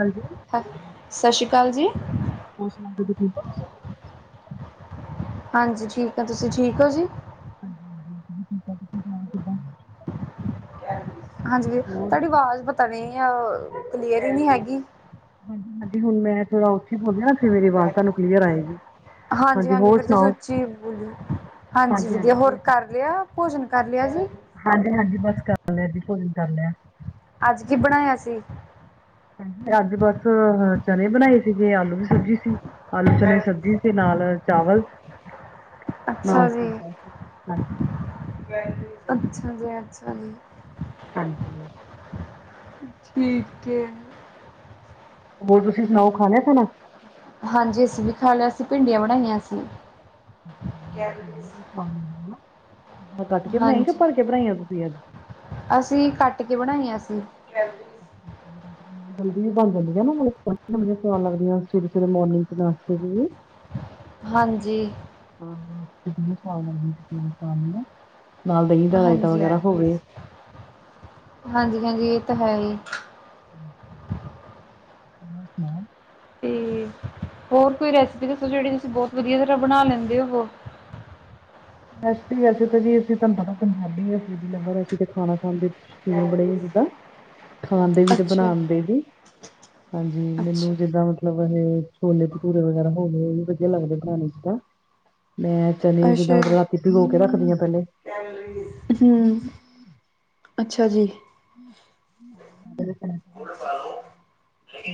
ਹਾਂਜੀ। ਸਤਿ ਸ਼੍ਰੀ ਅਕਾਲ ਜੀ ਹੋਰ, ਸੁਣਾਓ ਤੁਸੀਂ ਠੀਕ ਹੋ ਹਾਂਜੀ, ਠੀਕ ਹੈ, ਤੁਸੀਂ ਠੀਕ ਹੋ ਜੀ ਹਾਂਜੀ, ਹਾਂਜੀ, ਤੁਸੀਣਾ ਹਾਂਜੀ ਵੀ ਤੁਹਾਡੀ ਆਵਾਜ਼ ਪਤਾ ਨੀ ਆ ਕਲੀਅਰ ਹੀ ਨਹੀਂੀ ਹੈਗੀ। ਮੈਂ ਥੋੜਾ ਉੱਥੇ ਬੋਲਿਆ ਨਾ ਫਿਰ ਮੇਰੀ ਆਵਾਜ਼ ਤੁਹਾਨੂੰ ਕਲੀਅਰ ਆਏਗੀ। ਹਾਂਜੀ, ਹਾਂਜੀ ਹੋਰ ਫਿਰ ਤੁਸੀਂ ਸੁਣਾਓ? ਉੱਚੀ ਬੋਲੋ, ਹਾਂਜੀ, ਵਧੀਆ ਹੋਰ ਕਾਰ ਲਿਆ ਭੋਜਨ ਕਰ ਲਿਆ ਜੀ। ਹਾਂਜੀ, ਹਾਂਜੀ, ਬਸ ਕਰ ਲਿਆ ਦੀ ਕੋਈ ਨੀ ਕਰ ਲਿਆ। ਅੱਜ ਕੀ ਬਣਾਇਆ ਸੀ। ਅੱਜ ਬਸ ਚਨ ਬਣਾਏ ਸੀਗੇ, ਆਲੂ ਦੀ ਸਬਜ਼ੀ ਸੀ ਆਲੂ ਚਨ ਸਬਜ਼ੀ। ਨਾਲ ਚਾਵਲ। ਨਾਲ ਅੱਛਾ ਜੀ। ਫੁਲਕਾ ਸੀ ਹਾਂਜੀ ਅੱਛਾ ਜੀ' ਅੱਛਾ ਜੀ। ਹਾਂਜੀ ਹਾਂ। ਠੀਕ ਹੈ। ਹੋਰ ਤੁਸੀਂ ਸੁਣਾਓ ਖਾ ਲਿਆ ਖਾਨਾ ਹਾਂਜੀ, ਅਸੀਂ ਵੀ ਖਾ ਲਿਆ ਸੀਸੀਂ ਭਿੰਡੀਆਂ ਬਣਾਈਆਂ ਸੀ। ਕੱਟ ਕੇ ਬਣਾਈ ਹਾਂਜੀ ਭਲਕੇ ਬਣਾਈਆਂ, ਤੁਸੀਂ ਅੱਜ ਅਸੀਂ ਕੱਟ ਕੇ ਬਣਾਈਆਂ ਸੀ। ਅੱਛਾ ਅੱਛਾ ਜਲਦੀ ਵੀ ਬੰਦ ਹੁੰਦੀ ਹੈ, ਨਾ ਮਤਲਬ ਬਆ ਲੱਗਦੀਆਂ। ਸਵੇਰੇ ਸਵੇਰੇ ਮੋਰਿੰਗ ਚ ਨਾਤੇ ਵੀ ਹਾਂਜੀ ਹਾਂ ਨਾਲ ਦਹੀਂ ਦਾ ਰਾਇਤਾ ਹਾਂਜੀ ਵਗੈਰਾ ਹੋਵੇ। ਹਾਂਜੀ, ਹਾਂਜੀ, ਇਹ ਤਾਂ ਹੈ ਹੀ। ਤਰ ਸੁਣਾਓ। ਤੇ ਹੋਰ ਕੋਈ ਰੈਸਿਪੀ ਦੱਸੋ ਜਿਹੜੀ ਤੁਸੀਂ ਬਹੁਤ ਵਧੀਆ ਤਰ੍ਹਾਂ ਬਣਾ ਲੈਂਦੇ ਹੋ ਵੋ। ਵੈਸੇ ਹੀ ਵੈਸੇ ਤਾਂ ਜੀ ਅਸੀਂ ਤੁਹਾਨੂੰ ਪਤਾ ਪੰਜਾਬੀ ਆ ਫੂਡ ਹੀ ਲ ਅਸੀ ਖਾਣਾ ਖਾਂਦੇ। ਬੜੇ ਜਿੱਦਾਂ। ਖਾਂਦੇ ਵੀ ਤੇ ਅੱਛਾ, ਬਣਾਦੇ ਵੀ ਹਾਂਜੀ ਅੱਛਾ, ਮੈਨੂੰ ਜਿੱਦਾਂ। ਮਤਲਬ ਇਹ ਛੋਲੇ ਭਟੂਰੇ ਵਗੈਰਾ ਹੋ ਗਏ ਇਹ ਵੀ ਵਧੀਆ ਲੱਗਦੇ ਖਾਣੇ ਚ ਤਾਂ ਮੈਂ। ਚਨੇ ਅੱਛਾ ਜਿੱਦਾਂ ਰਾਤੀ ਭਿਗੋ ਕੇ ਰੱਖਦੀਆਂ ਪਹਿਲੇ। ਹੂੰ ਅੱਛਾ ਜੀ।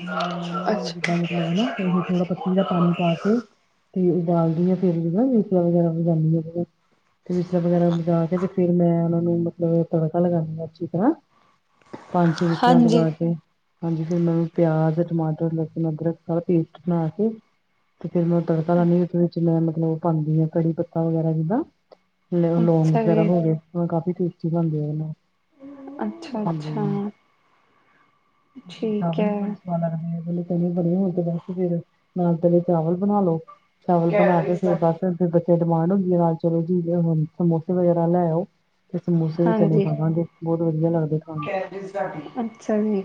ਮੈਂ ਉਹਨਾ ਨੂੰ ਅੱਛਾ ਜਿੱਦਾਂ। ਹਨਾ ਇਹ ਥੋੜਾ ਪੱਤੀ ਦਾ ਪਾਣੀ ਪਾ ਕੇ। ਤੇ ਉਬਾਲਦੀ ਹਾਂ ਫੇਰ ਵੀ ਨਾ ਮਸੀਆਂ ਵਗੈਰਾ ਵੀਗਾਦੀਾਂ। ਤੇ ਪਿਸਲਾ ਵਗੈਰਾ ਬਚਾ ਕੇ ਤੇ ਫਿਰ ਮੈਂ ਉਹਨਾਂ ਨੂੰ ਮਤਲਬ ਤੜਕਾ ਲਗਾਉਂਦੀ ਹਾਂ ਅੱਛੀ ਤਰ੍ਹਾਂ। ਪੰਜ ਛੇ ਬਿਸਲਾਂ ਤੋ ਹਾਂਜੀ ਬਾਅਦ। ਹਾਂਜੀ ਫ ਉਹਨਾਂ ਨੂੰ ਪਿਆਜ ਟਮਾਟਰ ਲਸੁਣ ਅਦਰਕ ਸਾਰਾ ਪੇਸਟ ਬਣਾ ਕੇ। ਤੇ ਫਿਰ ਮੈਂ ਤੜਕਾ ਲਾਦੀ ਮੈਂ ਮਤਲਬ ਉਹ ਪਾਉਂਦੀ ਹਾਂ ਕੜੀ ਪੱਤਾ ਵਗੈਰਾ ਜਿੱਦਾਂ। ਲੋਂਗ ਅੱਛਾ ਵਗੈਰਾ ਜੀ ਹੋ ਗਏ ਉਹ ਕਾਫੀ ਟੇਸਟੀ ਬਣਦੇ ਆ ਉਹਦੇ ਨਾਲ। ਅੱਛਾ-ਅੱਛਾ। ਚਾਵਾਲ ਬਣੇ। ਲੱਗਦੀ ਆ ਪਹਿਲੇ ਚਨੀ ਬਣੇ ਹੋਣ ਤੇ ਬੈਸ ਫਿਰ ਨਾਲ ਤੇਲੇ ਚਾਵਲ ਬਣਾ ਲੋ। ਚਾਵਲ ਬਣਾ ਕੇ ਫਿਰ ਬਸ ਗੱਚੇ ਡਿਮਾਂਡ ਹੁੰਦੀ ਹੈ ਨਾਲ ਚਲੋ ਜੀ ਸਮੋਸੇ ਵਗੈਰਾ ਲੈ ਆਓ। ਤੇ ਸਮੋਸੇ ਵੀ ਚਲੇ ਹਾਂਜੀ ਖਾਵਾਂਗੇ ਬਹੁਤ ਵਧੀਆ ਲੱਗਦੇ ਖਾਣ। ਅੱਛਾ ਜੀ'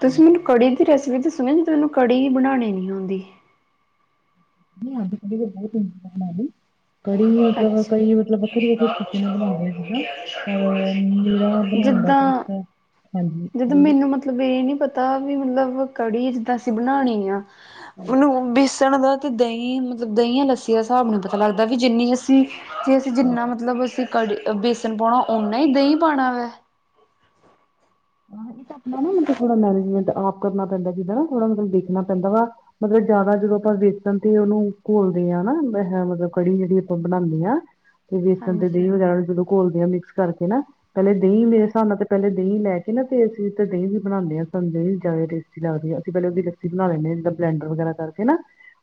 ਤੁਸੀਂ ਮੈਨੂੰ ਹਾਂਜੀ ਕੜੀ। ਰੈਸਿਪੀ ਤਾਂ ਸੁਣਓ ਜ ਤੈਨੂੰ ਕੜੀ ਹੀ ਬਣਾਣੀ ਨਹੀਂ ਆਉਦੀ। ਨਹੀਂ ਅੱਜ ਕੀ ਦਾ ਬਹੁਤ ਇੰਤਜ਼ਾਨ ਆ ਵੀ। ਕੜੀ ਮਤਲਬ ਅੱਛਾ ਕੜੀ ਮਤਲਬ ਵੱਖਰੇ ਵੱਖਰੇ ਤਰੀਕੇ ਨਾਲ ਬਣਾਉਂਦੇ ਸੀਗਾ ਪਰ ਮੇਰਾ ਬਣਾਉਣ ਦਾ ਜਿੱਦਾਂ ਤਰੀਕਾ। ਹ ਹਾਂਜੀ ਜਦੋਂ ਬੋਲੋ। ਮੈਨੂੰ ਮਤਲਬ ਇਹ ਨੀ ਪਤਾ ਵੀ ਮਤਲਬ ਕੜੀ ਜਿੱਦਾਂ ਅਸੀਂ ਬਣਾਉਣੀ ਆ ਹਾਂਜੀ ਉਹਨੂੰ ਬੇਸਣ ਦਾ। ਅਤੇ ਦਹੀਂ ਮਤਲਬ ਦਹੀਂ ਆ ਲੱਸੀ ਦਾ ਹਿਸਾਬ ਨੀ ਪਤਾ ਲੱਗਦਾ ਵੀ ਜਿੰਨੀ ਅਸੀਂ ਜੇ ਅਸੀਂ ਜਿੰਨਾ ਮਤਲਬ ਅਸੀਂ। ਕੜੀ ਬੇਸਣ ਪਾਉਣਾ ਨਾ ਹੀ ਦਹੀਂ ਪਾਉਣਾ ਵੈ। ਇਹ ਤਾਂ ਆਪਣਾ ਨਾ ਮਤਲਬ ਥੋੜਾ ਮੈਨੇਜਮੈਂਟ ਆਪ ਕਰਨਾ ਪੈਂਦਾ ਜਿੱਦਾਂ ਨਾ ਥੋੜਾ ਮਤਲਬ ਦੇਖਣਾ ਪੈਂਦਾ ਵਾ। ਮਤਲਬ ਜਿਆਦਾ ਜਦੋਂ ਆਪਾਂ ਵੇਚਣ ਤੇ ਉਹਨੂੰ ਘੋਲਦੇ ਹਾਂਾ ਮਤਲਬ ਕੜੀ ਜਿਹੜੀ ਆਪਾਂ ਬਣਾਉਂਦੇ ਹਾਂ। ਤੇ ਬੇਸਣ ਤੇ ਹਾਂਜੀ ਦਹੀਂ ਵਗੈਰਾ ਜਦੋਂ ਘੋਲਦੇ ਆਾਂ ਮਿਕਸ ਕਰਕੇ ਨਾ ਪਹਿਲਲੇ ਦਹੀਂ ਮੇਰੇ ਹਿਸਾਬ ਨਾਲ ਤੇ ਪਹਿਲੇ ਦਹੀਂ ਲੈ ਕੇ। ਨਾ ਤੇ ਅਸੀਂ ਤਾਂ ਦਹੀਂ ਬਣਾਦੇ ਹਾਂ ਸਾਨੂੰ ਦਹੀਂ ਜ਼ਿਆਦਾ ਟੇਸਟੀ ਲੱਗਦੀ ਹੈ' ਅਸੀਂਹਿਲਲੇ ਉਹਦੀ ਰੱਸੀ ਬਣਾ ਲੈਂਦੇ ਹਾਂਦਾਂ ਬਲੈਂਡ ਵਗੈਰਾ ਕਰਕੇ। ਹਨਾ।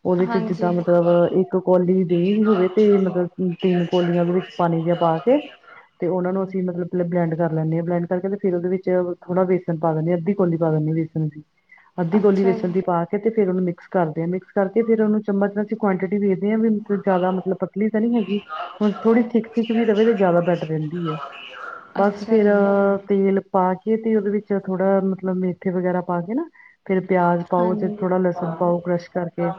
ਉਹਦੇ ਚ ਜਿੱਦਾਂ ਹਾਂਜੀ ਮਤਲਬ ਇੱਕ ਕੋੌਲੀ ਦੇਹੀਂ ਵੀ ਹੋਵੇ ਤੇ ਮਤਲਬ ਤਿੰਨ ਕਲੀਆਂਦੇ ਵਿੱਚ। ਪਾਣੀ ਜਿਹਾ ਪਾ ਕੇ ਤੇ ਉਹਨਾ ਨੂੰ ਅਸੀਂ ਮਤਲਬ ਪਹਿ ਬਲੈਂਡ ਕਰ ਲੈਂਦੇ ਹਾਂ ਬਲੈਂਡ ਕਰਕੇ ਫੇਿਰ ਉਹਦੇ ਵਿੱਚ। ਥੋੜਾ ਬੇਸਣ ਪਾ ਲਿਅਦੇ ਹ ਅੱਧੀ ਕੋਲੀ ਪਾ ਦਿੰਦੀ ਆ ਬੇਸਣ ਦੀ ਅੱਧੀ ਕੌਲੀ ਅੱਛਾ ਵੇਸਣ ਜੀ ਦੀ ਪਾ। ਤੇ ਫੇਰ ਉਹਨੂੰ ਮਿਕਸ ਕਰਦੇ ਹਾਂ, ਮਿਕਸ ਕਰਕੇ ਫਿਰ ਉਹਨੂੰ ਚਮਚ ਚ ਕੁਆਂਟਿਟੀ ਵੇਖ। ਵੀ ਜਿਆਦਾ ਮਤਲਬ ਪਤਲੀ ਤਾਂ ਨੀ ਹੈਗੀ। ਹੁਣ ਥੋੜ੍ਹੀ ਥਿੱਕ ਥਿੱਕ ਵੀ ਰਵੇ ਤੇ ਜ਼ਿਆਦਾ ਬੈਟਰ ਰਹਿੰਦੀ ਹੈ ਬਸ ਅੱਛਾ ਫੇਿਰ ਜੀ ਤੇਲ। ਪਾ ਕੇ ਤੇ ਉਹਦੇ ਵਿੱਚ ਥੋੜਾ ਮਤਲਬ ਮੇਥਰੇ ਵਗੈਰਾ ਪਾ ਕੇ ਨਾ ਫੇਰ ਪਿਆਜ। ਪਾਓ ਤੇ ਹਾਂਜੀ ਥੋੜਾ ਲਸਣ ਪਾਓ ਕ੍ਰਸ਼ ਕਰਕੇ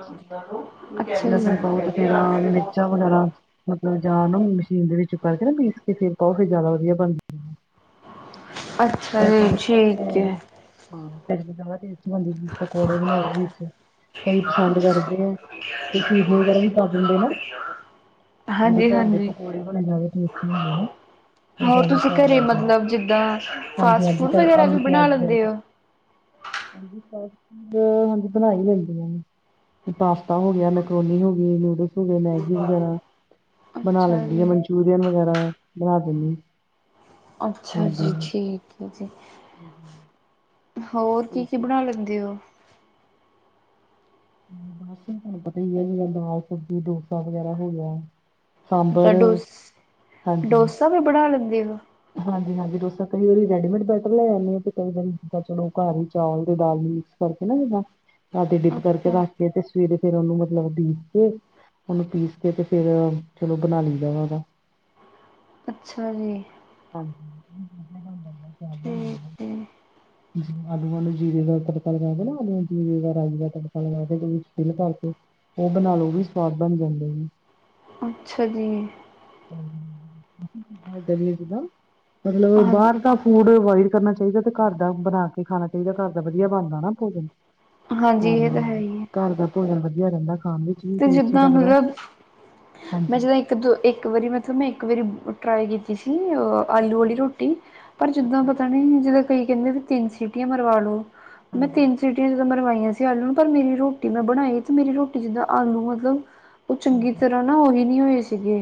ਅੱਛਾ ਲਸਣ ਪਾਓ ਤੇ ਜੀ ਫੇਰਿਕ। ਵਗੈਰਾ ਮਤਲਬ ਜਾਂ ਮਸ਼ੀਨ ਦੇ ਵਿੱਚ ਕਰਕੇ ਨਾ ਪੀਸ ਕੇ ਫ ਕਾਫੀ ਜ਼ਿਆਦਾ ਵਧੀਆ ਬਣਦੀ। ਅੱਛਾ ਇਹ ਜੀ ਕਰਕੇ ਠੀਕ ਹੈ ਤੇ ਫਿਰ ਜਵਾ। ਹਾਂਜੀ ਪਕੌੜੇ ਬਣਾਓ ਵੀ ਇ। ਕਈ ਪਸੰਦ ਕਰਦੇ ਆ ਤੇ ਸੇ ਵਗੈਰਾ ਵੀ ਪਾ ਦਿੰਦੇ ਨਾ। ਦੇ ਹਾਂਜੀ ਘਰ ਦੇ ਹਾਂਜੀ ਪਕੌੜੇ ਬਸ ਹੁੰਦੇ ਓਹ ਹੋਰ ਜਾਦਾ ਤੁਸੀਂ ਸਵਾਦ ਘਰੇ ਲਗਦੇ। ਮਤਲਬ ਜਿੱਦਾਂ ਫਾਸਟ ਫੂਡ ਵਗੈਰਾ ਵੀ ਬਣਾ ਪਿਆਜ਼ ਵਗੈਰਾ ਲੈਂਦੇ ਹੋ। ਹਾਂਜੀ ਫਾਸਟ ਫੂਡ ਹਾਂਜੀ ਬਣਾ ਹੀ ਲੈਣੀ ਆ ਮੇ। ਪਾਸਤਾ ਹੋ ਗਿਆ ਨਕਰੋਨੀ ਹੋ ਗਈ ਨੂਡਲਸ ਹੋ ਗਏ ਮੈਗੀ ਵਗੈਰਾ ਬਣਾ ਅੱਛਾ ਲੈਂਦੀ ਆ ਜੀ, ਮ। ਰੀਅਨ ਵਗੈਰਾ ਬਣਾ ਦਿੰਦੇ। ਅੱਛਾ ਜੀ ਠੀਕ ਹੈ ਜੀ। ਹਾਂਜੀ। ਹੋਰ ਕੀ ਕੀ ਬਣਾ ਲੈਂਦੇ ਹੋ। ਬਸ ਤੁਹਾਨੂੰ ਪਤਾ ਹੀ ਹੈ ਜਿੜਾ ਦਾਲ ਸਬਜ਼ੀ ਡੋਸਾ ਵਗੈਰਾ ਹੋ ਗਿਆ। ਅੱਛ ਸਾਂਬਰ ਡੋਸ ਹਾਂਜੀ ਡੋਸਾ ਵੀ ਬਣਾ ਲੈਂਦੀ ਆ। ਹਾਂਜੀ ਹਾਂਜੀ ਡੋਸਾਂ ਕਈ ਵਾਰੀ ਰੈਡੀਮੇਡ ਬੈਟ ਲੈ ਆਦੇ ਹੋ ਤੇ ਕਈ ਵਾਰੀ ਜਿੱਦਾਂ ਚਲੋ ਘਰ ਹੀ ਚਾਲ ਤੇ ਦਾਲ ਹੀ। ਕਰਕੇ ਨਾ ਜਦਾਂ ਰਾਦੇ ਡਿੱਬ ਕਰਕੇ ਅੱਛਾ, ਰੱਖ ਕੇ ਤੇ ਸਵੇਰੇ ਫੇਰ ਉਹਨੂੰ ਮਤਲਬ ਪੀਸ ਕੇ। ਉਹਨੂੰ ਪੀਸ ਕੇ ਤੇ ਫੇਰ ਚਲੋ ਬਣਾ ਲਈ ਜਾ ਵਾਂਗਾ। ਅੱਛਾ, ਜੀ। ਹਾਂਜੀ। [unintelligible] ਠੀਕ ਏ। ਤੁਸੀਂ ਆਲੂਆਂ ਨੂੰ ਜੀਰੇ ਦਾ ਤੜਕਾ ਲਗਾਦੇ ਨਾ ਰਾਈ ਦਾ ਰਾਹੀਂ ਦਾ ਤੜਕਾ ਲਗਾ ਕੇਟੀ ਲ ਪਾ ਕੇ। ਉਹ ਬਣਾ ਲੋ ਉਹ ਵੀ ਸਵਾਦ ਬਣ ਜਾਂਦੇ ਨੇ। ਅੱਛਾ ਜੀ। ਜ ਦਾ ਮਤਲਬ ਬਾਹਰ ਹਾਂਜੀ। ਕ ਫੂਡ ਬਾਹਰ ਅਵਇਡ ਕਰਨਾ ਚਾਹੀਦਾ, ਤੇ ਘਰ ਦਾ ਬਣਾ ਕੇ ਖਾਣਾ ਚਾਹੀਦਾ ਘਰ ਦਾ ਵਧੀਆ ਬਣਦਾ ਨਾ ਭੋਜਨ। ਹਾਂਜੀ ਇਹ ਤਾਂ ਹਾਂ-ਹਾਂ ਹੈ ਹੀ ਹੈ, ਘਰ ਦਾ ਭੋਜਨ ਵਧੀਆ ਰਹਿੰਦਾ ਖਾਣ ਵਿੱਚ। ਵੀ ਤੇ ਟੇਸਟੀ ਜਿੱਦਾਂ ਲੱਗਦਾ ਮਤਲਬ ਮੈਂ ਹਾਂਜੀ ਜਦ। ਇੱਕ ਦੋ ਇੱਕ ਵਾਰੀ ਮਤਲਬ ਮੈਂ, ਇੱਕ ਵਾਰੀ ਟਰਾਈ ਕੀਤੀ ਸੀ ਅ। ਆਲੂ ਅੱਛਾ ਵਾਲੀ ਜੀ ਰੋਟੀ ਪਰ, ਜਿੱਦਾਂ ਅੱਛਾ ਜੀ ਪਤਾ ਨੀ ਜਿੱਦਾਂ ਕਈ ਕਹਿੰਦੇ, ਤਿੰਨ ਸੀਟੀਆਂ ਮਰਵਾ ਲੋ। ਮੈਂ ਹਾਂਜੀ ਤਿੰਨ ਸੀਟੀਆਂ ਜਿੱਦਾਂ ਮਰਵਾਈਆਂ ਸੀ। ਆਲੂ ਨੂੰ ਪਰ ਮੇਰੀ ਰੋਟੀ ਮੈਂ ਬਣਾਈ ਤੇ ਮੇਰੀ ਰੋਟੀ ਜਿੱਦਾਂ। ਆਲੂ ਮਤਲਬ ਉਹ ਚੰਗੀ ਹਾਂਜੀ ਤਰ੍ਹਾਂ ਨਾ ਉਹੀ ਨਹੀਂ ਹੋਏ ਸੀਗੇ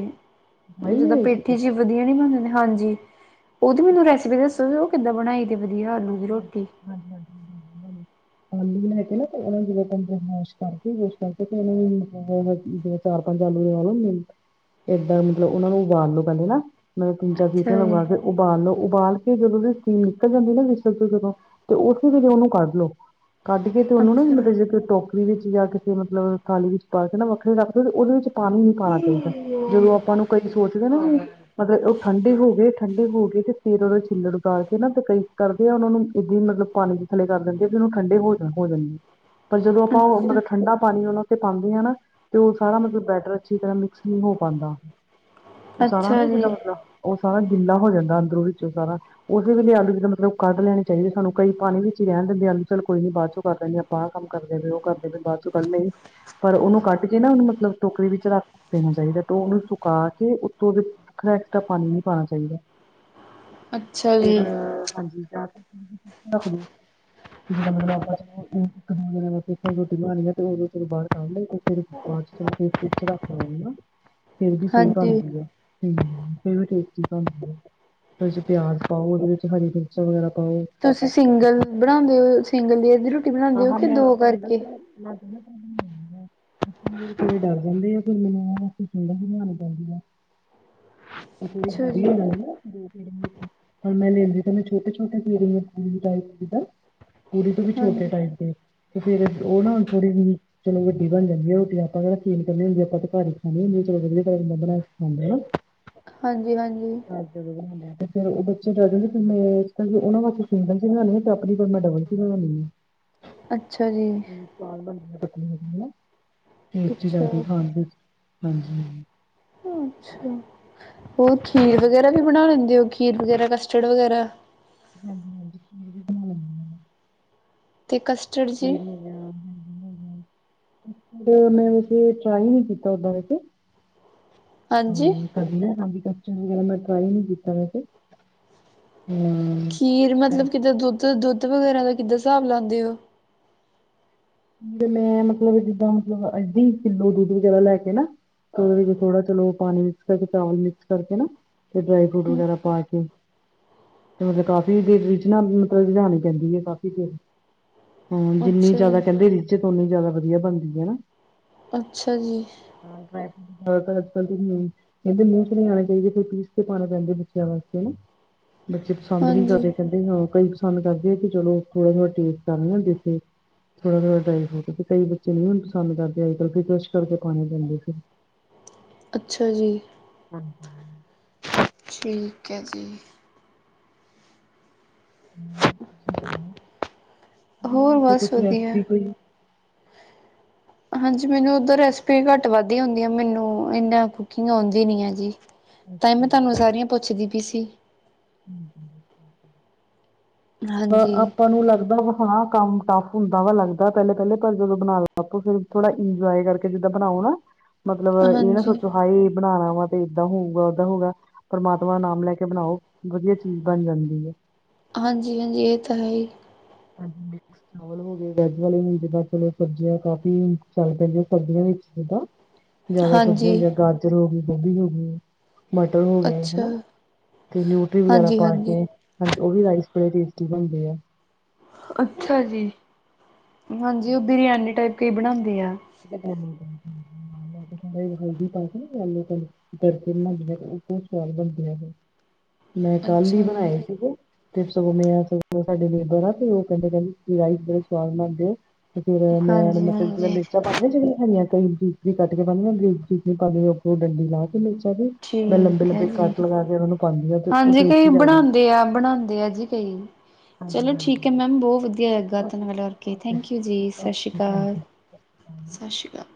ਆਈ ਨਹੀਂ ਜਿੱਦਾਂ ਹੋਏ ਸੀਗੇ ਪੇਠੀ ਚ। ਵਧੀਆ ਨੀ ਬਣਦੇ ਦੇ ਹਾਂਜੀ, ਉਹਦੀ ਮੈਨੂੰ ਰੈਸਪੀ ਦੱਸੋ ਉਹ ਕਿੱਦਾਂ ਬਣਾਈ? ਦੀ ਵਧੀਆ ਆਲੂ ਦੀ ਹਾਂਜੀ- ਰੋਟੀ ਹਾਂਜੀ- ਹਾਂਜੀ- ਹਾਂਜੀ ਹ। ਆਲੂ ਹੈ ਕੇ ਨਾ ਉਹਨਾਂ ਨੂੰ ਮਾਇਸ ਕਰਕੇ ਕਰਕੇ ਤੇ ਉਹਨਾਂ ਨੂੰ। [unintelligible] ਚਾਰ ਪੰਜ ਆਲੂ ਦੇ ਨਾਲੋਂ ਏਦਾਂ ਮਤਲਬ ਉਹਨਾ ਨੂੰ ਉਬਾਲੂ ਪੈਂਦੇ ਨਾ। ਮੈਂ ਦੋ ਚਾਰ। ਸੀਟੀ ਅੱਛਾ ਜੀ ਲਗਾ ਕੇ ਉਬਾਲ ਲੋੋ ਉਬਾਲ ਕੇ ਜਦੋਂ ਦੀ ਸੀਟੀਮ ਨਿਕਲ ਜਾਂਦੀ ਨਾ। ਜਦੋਂ ਤੇ ਉਸੇ ਵੇਲੇ ਉਹਨੂੰ ਕੱਢ ਲੋ ਕੱਢ ਕੇ ਤੇ ਉਹਨੂੰ ਨਾ ਅੱਛਾ ਮਤਲਬ ਟੋਕਰੀ ਟੋਕਰੀ ਵਿੱਚ ਜਾਂ ਕਿਸੇ ਮਤਲਬ ਕਾਲੀ ਮਿਰਚ ਵਿੱਚ ਪਾ ਕੇ ਨਾ ਵੱਖਰੇ ਰੱਖਦੇ ਤੇ ਉਹਦੇ ਵਿੱਚ। ਪਾਣੀ ਨੀ ਪਾਉਣਾ ਚਾਹੀਦਾ, ਜਦੋਂ ਆਪਾਂ ਨੂੰ ਕਈ ਸੋਚਦੇ ਨਾ ਵੀ ਮਤਲਬ ਉਹ ਠੰਡੇ ਹੋ ਗਏ। ਠੰਡੇ ਹੋ ਕੇਏ ਤੇ ਫੇਰ ਉਹਦਾ ਛਿੱਲੜ ਉਤਾਰ ਕੇ ਨਾ ਤੇ ਕਈ। ਕਰਦੇ ਆ ਉਹਨਾ ਨੂੰ ਏਦਾਂ ਮਤਲਬ ਪਾਣੀ ਦੇ ਥੱਲੇ ਕਰ ਦਿੰਦੇ, ਆ ਤੇ ਉਹਨੂੰ ਠੰਡੇ ਹੋ ਜਾ ਹੋ ਜਾਂਦੇ ਆ। ਪਰ ਜਦੋਂ ਆਪਾਂ ਉਹਨਾਂ ਅੱਛਾ ਦਾ ਠੰਡਾ ਪਾਣੀ ਉਹਨਾਂ ਤੇ ਪਾਉਂਦੇ ਆ ਨਾ ਤੇ ਉਹ ਸਾਰਾ ਮਤਲਬ ਬੈਟਰ ਅੱਛੀ ਤਰ੍ਹਾਂ ਮਿਕਸ ਨਹੀਂ ਹੋ ਪਾਉਂਦਾ। ਉਹ ਸਾਰਾ ਅੱਛਾ ਨਾ ਜਿੱਦਾਂ ਜੀ ਮਤਲਬ ਉਹ ਸਾਰਾ ਗਿੱਲ ਹੋ ਜਾਂਦਾ ਅੰਦਰੋਂ ਵਿੱਚ ਉਹ ਸਾਰਾ ਉਹਦੇ ਵੇਲੇ ਆਲੂ ਜਿੱਦਾਂ ਆਲੂ ਉਹ ਕੱਢ ਲੈਣੇ ਚਾਹੀਦੇ ਸਾਨੂੰ ਕਈ ਪਾਣੀ ਵਿੱਚ ਹੀ ਰਹਿਣ ਦਿੰਦੇ ਆ ਚੱਲ ਕੋਈ ਬਾਅਦ ਚੋਂ ਕਰ ਲੈਂਦੇ ਆਪਾਂ ਆ ਕੰਮ ਕਰਦੇ ਨੇ ਉਹ ਕਰਦੇ ਨੇ ਬਾਅਦ ਚੁਕੰਨੇ। ਪਰ ਉਹਨੂੰ ਕੱਟ ਕੇ ਨਾ ਉਹਨੂੰ ਮਤਲਬ ਟੋਕਰੀ ਵਿੱਚ ਰੱਖ ਦੇਣਾ ਚਾਹੀਦਾ ਤੇ ਉਹਨੂੰ ਸੁਕਾ ਕੇ ਉੱਤੋਂ ਦੀ ਹੋਰ ਐਕਟਰ ਪਾਣੀ ਨੀ ਪਾਣਾ ਚਾਹੀਦਾ ਤੇ ਅੱਛਾ ਫਿਰ ਜੀ [unintelligible] [unintelligible] ਹਾਂਜੀ ਰ। ਜਿਹੜਾ ਮਤਲਬ ਆਪਾਂ ਚਲੋ ਇੱਕ ਦੋ ਦਿਨ ਸ ਰੋਟੀ ਬਣਾਉਣੀ ਆ ਤੇ ਉਦੋਂ ਚਲੋਂ ਬਾਹਰ ਕੱਢ ਲਈ ਤੇ ਫਿਰ। ਅ ਚ- ਚਲ ਫਿਰ ਫ ਚ ਰੱਖ ਲ ਨਾ ਫਿਰ ਵੀ ਸਹੀ ਹਾਂਜੀ ਬਣਦੀ ਹੈ। ਹਮ ਇਹ ਵੀ ਟੋਸਸ ਬਣਦੀ ਉਹਦੇ ਪਿਆਜ ਪਾਓ ਉਹਦੇ ਵਿੱਚ ਹਰੀ ਐਜਮਾਇਣ ਪਾਓ। ਤੁਸੀਂ ਸਿੰਗਲ ਬਣਾਉਦੇ ਹੋ ਸਿੰਗਲ ਲੇਅਰ ਦੀ ਰੋਟੀ ਬਣਾਉਂਦੇ ਹੋ ਕਿ ਦੋ ਕਰਕੇ? ਮੈ ਦੋਨਾਂ ਤਰ [unintelligible] ਆ। ਏ ਵਿਚਾਰੇ ਡਰ ਜਾਂਹਦੇ ਆ। ਕੋਈ ਮੈਨੂੰ ਬਣਾਉਣੀ ਪੈਂਦੀ ਆ। ਉਹ ਅੱਛਾ ਹੈ ਵੀ ਜੀ ਹੋਣਾ ਨਾ ਦੋ ਪੇੜਿਆਂ ਦੇ ਵਿੱਚ। ਹਾਂ, ਮੈਂ ਲੈਂਦੀ ਤਾਂ ਮੈਂ ਛੋਟੇ-ਛੋਟੇ ਉਹਦੇ ਤੋਂ ਵੀ ਛੋਟੇ। ਹਾਂਜੀ ਟਾਈਪ ਤੇ ਫੇਰ ਉਹ ਨਾ ਹੁਣ ਥੋੜੀ ਜਿਹੀ। ਚਲੋ ਵੱਡੀ ਬਣਦੀ ਹੈ ਰੋਟੀ ਆਪਾਂ ਕਿਹੜਾ ਫੀਲ ਕਰਨੀ ਹੁੰਦੀ। ਆਪਾਂ ਤਾਂ ਘਰੇ ਖਾਣੀ ਹੁੰਦੀ ਚਲੋ ਵਧੀਆ ਟਾਈਮ ਨਾ ਬਣਾ ਕੇ ਖਾਂਦੇ ਆ। [unintelligible] ਹਾਂਜੀ- ਹਾਂਜੀ। ਅੱਜ ਵਧਾਉਣ। ਤੇ ਫੇਰ ਉਹ ਬੱਚੇ ਜਾਂਦੇ ਫਿਰ ਮੈਂ ਉਹਨਾਂ ਵਾਸਤੇ ਸਿੰਗਲ 'ਚ ਬਣਾਉਣੀ ਹੈ ਤੇ ਆਪਣੀ ਫੇਰ ਮੈਂ ਡਬਲ ਸੀ ਬਣਾਉਣੀ ਹੈ। ਅੱਛਾ ਜੀ। [unintelligible] ਬਣਦੀ ਫੇਰ ਟੇਸਟੀ ਬਣਦੀ ਹੈ ਅੱਛਾ ਫੇਰ ਖਾਣ ਵਿੱਚ ਹਾਂਜੀ। ਅੱਛਾ, ਹੋਰ ਖੀਰ ਵਗੈਰਾ ਵੀ ਬਣਾ ਲੈਂਦੇ ਹੋ? ਖੀਰ ਵਗੈਰਾ, ਕਸਟਰਡ ਵਗੈਰਾ ਹਾਂਜੀ ਹਾਂਜੀ ਖੀਰ ਵੀ ਬਣਾ ਲੈਂਦੀ ਹਾਂ। ਤੇ ਕਸਟਡ ਜੀ। ਉਹ ਵੀ ਬਣਾ ਲੈਂਣੀ ਹਾਂ। ਕਸਟਡ ਮੈਂ ਵੈਸੇ ਟਰਾਈ ਨਹੀਂ ਕੀਤਾ ਓਦਾਂ ਵੈਸੇ। ਹਾਂਜੀ ਹੂੰ ਕਦੀ ਨਾ ਕਦੀ ਕਸਟਡ ਮੈਂ ਟਰਾਈ ਨੀ ਕੀਤਾ ਵੈਸੇ। ਖੀਰ ਮਤਲਬ ਕਿੱਦਾਂ ਦੁੱਧ ਦੁੱਧ ਵਗੈਰਾ ਦਾ ਕਿੱਦਾਂ ਹਿਸਾਬ ਲਾਉਂਦੇ ਹੋ। ਨਹੀਂ ਮੈਂ ਮਤਲਬ ਜਿੱਦਾਂ ਮਤਲਬ ਅੱਧੀ ਕਿੱਲੋ ਦੁੱਧ ਵਗੈਰਾ ਲੈ ਕੇ ਨਾ। ਤੇ ਉਹਦੇ ਥੋੜਾ ਚਲੋ ਪਾਣੀ ਮਿਕਸ ਕਰਕੇ ਚਾਵਲ ਮਿਕਸ ਕਰਕੇ ਨਾ। ਤੇ ਡਰਾਈ ਫਰੂਟ ਵਗੈਰਾ ਪਾ ਕੇ। ਤੇ ਮਤਲਬ ਕਾਫੀ ਰੀਜ਼ ਨਾ ਮਤਲਬ ਬਣਾਉਣੀ ਪੈਂਦੀ ਹੈ ਕਾਫੀ ਦੇਰ। ਹਾਂ ਜਿੰਨੀ ਅੱਛਾ ਜ਼ਿਆਦਾ ਜੀ ਕਹਿੰਦੇ ਰਿਚਤ ਉਨੀ ਜ਼ਿਆਦਾ ਵਧੀਆ ਬਣਦੀ ਹੈ ਨਾ। ਅੱਛਾ ਜੀ। ਹਾਂ ਵੈਸੇ ਅੱਜ ਕੱਲ ਦੀ ਨਹੀਂ। ਕਹਿੰਦੇ ਮੂੰਹ ਨਹੀਂ ਆਉਣੇ ਚਾਹੀਦੇ ਕੋਈ ਪੀਸ ਕੇ ਪਾਉਣੇ ਪੈਂਦੇ ਬੱਚਿਆਂ ਵਾਸਤੇ ਹਨਾ। ਬੱਚੇ ਪਸੰਦ ਨਹੀਂ ਹਾਂਜੀ ਕਰਦੇ ਕਹਿੰਦੇ ਕਈ ਪਸੰਦ ਕਰਦੇ ਕਿ ਚਲੋ ਥੋੜਾ ਥੋੜਾ ਟੇਸਟ ਕਰ ਲਇਆ ਇੱਥੇ। ਥੋੜਾ ਥੋੜ੍ਹਾ ਡਾਈ ਫਰੂਟ ਤੇ ਕਈ ਬੱਚੇ ਨਹੀਂ ਵੀ ਪਸੰਦ ਕਰਦੇ ਅੱਜ ਕੱਲ ਕਰੈਸ਼ ਕਰਕੇ ਪਾਉਣੇ ਪੈਂਦੇ ਫੇਰ। ਅੱਛਾ ਜੀ। ਹਾਂਜੀ। ਠੀਕ ਹੈ ਜੀ। ਤੁਸੀਂ ਸੁਣਾਓ ਤੁਸੀਂ ਵੀ ਹੋਰ ਦੱਸੋ ਬਸ ਕੁਛ ਵਧੀਆ ਰੈਸਪੀ ਕੋਈ। ਹਾਂਜੀ ਮੈਨੂੰ ਉਧਰ ਰੈਸਪੀ ਘੱਟ ਵੱਧ ਹੀ ਆਉਂਦੀ ਆ ਮੈਨੂੰ ਇੰਨਾ ਕੁਕਿੰਗ ਆਉਂਦੀ ਨੀ ਹੈ ਜੀ। ਤਾਂਹੀ ਅੱਛਾ ਮੈਂ ਤੁਹਾਨੂੰ ਜੀ। ਸਾਰੀਆਂ ਪੁੱਛਦੀ ਪਈ ਸੀ। ਹਾਂਜੀ ਆਪਾਂ ਨੂੰ ਲੱਗਦਾ ਵੀ ਹਾਂ। ਕੰਮ ਟੱਫ ਹੁੰਦਾ ਵਾ ਲੱਗਦਾ ਪਹਿਲੇ ਪਹਿਲੇ ਪਰ ਜਦੋਂ ਬਣਾ ਲਾ ਫਿਰ ਥੋੜਾ ਇੰਜੋਏ ਕਰਕੇ ਜਿੱਦਾਂ ਬਣਾਓ ਨਾ। ਮਤਲਬ ਇਹ ਨਾ ਹਾਂਜੀ। ਸੋਚੋ ਹਾਏ ਬਣਾਉਣਾ ਵਾ ਤੇ ਏਦਾਂ ਹੋਊਗਾ ਓਦਾਂ ਹੋਊਗਾ ਪਰਮਾਤਮਾ ਦਾ ਨਾਮ ਲੈ ਕੇ ਬਣਾਓ ਵਧੀਆ ਚੀਜ਼ ਬਣ ਜਾਂਦੀ ਹੈ ਹਾਂਜੀ ਹਾਂਜੀ ਇਹ ਤਾਂ ਹੈ ਹੀ ਹਾਂਜੀ ਚਾਵਲ ਹੋ ਗਏ ਵੈਜ ਵਾਲੇ ਹੋ ਜਾਂ ਤਾਂ ਚਲੋ ਸਬਜ਼ੀਆਂ ਕਾਫੀ ਚੱਲ ਪੈਂਦੀਆਂ ਸਬਜ਼ੀਆਂ ਤਾਂ। ਜ਼ਿਆਦਾ ਸਬਜ਼ੀਆਂ ਹਾਂਜੀ ਹੁੰਦੀਆਂ ਗਾਜਰ ਹੋ ਗਈ, ਗੋਭੀ ਹੋ ਗਈ। ਮਟਰ ਹੋ ਗਿਆ ਅੱਛਾ ਹਨਾ ਤੇ ਨਿਊਟਰੀ ਵਗੈਰਾ ਹਾਂਜੀ ਪਾ ਹਾਂਜੀ। ਕੇ। ਹਾਂਜੀ ਉਹ ਵੀ ਰਾਈਸ ਬੜੇ ਟੇਸਟੀ ਬਣਦੇ ਆ। ਅੱਛਾ ਜੀ ਹਾਂਜੀ ਉਹ ਬਿਰਿਆਨੀ ਟਾਈਪ ਤੇ ਹੀ ਬਣਾਉਂਦੇ ਆ। ਬਿਰਿਆਨੀ ਟਾਈਪ ਹਾਂਜੀ ਵਿੱਚ ਥੋੜਾ ਜਾ ਹਲਦੀ ਪਾ ਕੇ ਨਾ ਜੈਲੋ। ਤੜਕੇ ਬਣਾਉਦੀਆਂ ਉਹ ਬਹੁਤ ਸਵਾਦ ਬਣਦੀਆਂ ਮੈਂ ਕੱਲ ਹੀ ਅੱਛਾ ਜੀ ਬਣਾਏ ਸੀਗੇ। ਤੇ ਸਵੇਰੇ ਮੈਂ ਸਾਡੇ ਲਬਰ ਤੇ ਉਹ ਕਹਿੰਦੇ ਰਾਈਸ ਬੜੇ ਸਵਾਦ ਬਣਦੇ ਆ। ਤੇ ਫੇਰ ਮੈਂ ਹਾਂਜੀ ਮਤਲਬ ਹਾਂਜੀ ਨਾ ਕਿ। ਪਾਉਂਦੇ ਜਿਹੜੀਆਂ ਹੈੀਆਂਈ ਚੀਚਰੀ ਕੱਟ ਕੇ ਪਾਉਂਦੇ ਗਰੀਕ ਚੀਚਰੀ ਪਾਉਂਦੇ ਉੱਰੋਂ ਡੰਡੀ ਲਾ ਕੇ ਮਿਰਚਾਂ ਕੇ। ਮੈਂ ਲੰਬੇ ਠੀਕ ਹੈ ਲੰਬੇ ਜੀ ਕੱਟ ਲਗਾ ਉਹਨਾਂ ਨੂੰ ਪਾਉਂਦੀ ਹਾਂ ਤੇ ਉਹ ਹਾਂਜੀ ਕਈ ਟੇਸਟੀ ਲੱਗਦੇ ਬਣਾਉਂਦੇ ਆ ਬਣਾਉਂਦੇ ਆ ਜੀ ਕਈ। ਹਾਂਜੀ ਚਲੋ ਠੀਕ ਹਾਂਜੀ ਹੈ ਮੈਮ ਬਹੁਤ ਵਧੀਆ। ਵਧੀਆ ਲ ਧੰਨਵਾ ਓਕੇ ਹੋਰ ਓਕੇ ਥੈਂਕ ਯੂ ਜੀ ਸਤਿ ਸ਼੍ਰੀ ਓਕੇ ਥੈਂਕ ਅਕਾਲ ਯੂ ਸਤਿ ਸ਼੍ਰੀ ਅਕਾਲ